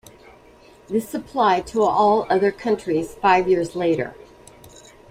This applied to all other countries five years later.